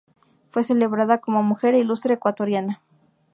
Fue celebrada como mujer "ilustre ecuatoriana.